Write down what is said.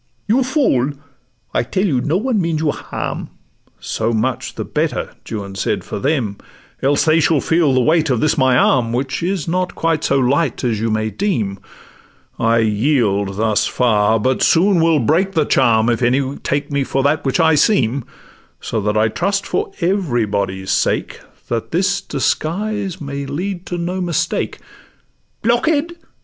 'You fool! I tell you no one means you harm.' 'So much the better,' Juan said, 'for them; Else they shall feel the weight of this my arm, Which is not quite so light as you may deem. I yield thus far; but soon will break the charm If any take me for that which I seem: So that I trust for everybody's sake, That this disguise may lead to no mistake.' 'Blockhead!